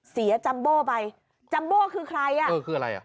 จัมโบ้ไปจัมโบ้คือใครอ่ะเออคืออะไรอ่ะ